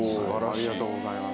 ありがとうございます。